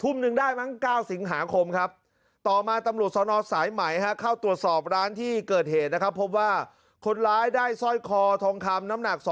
หนึ่งได้มั้ง๙สิงหาคมครับต่อมาตำรวจสนสายไหมเข้าตรวจสอบร้านที่เกิดเหตุนะครับพบว่าคนร้ายได้สร้อยคอทองคำน้ำหนัก